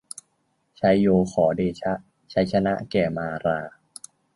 ไชโยขอเดชะ ชัยชนะแก่มารา